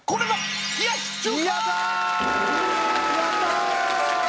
やったー！